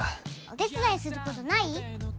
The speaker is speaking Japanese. お手伝いすることない？